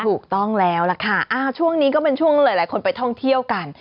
ถูกต้องแล้วล่ะค่ะช่วงนี้ก็เป็นช่วงหลายคนไปท่องเที่ยวกัน